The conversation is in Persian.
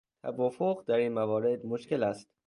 توافق در این موارد مشکل است.